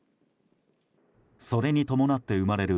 それに伴って生まれる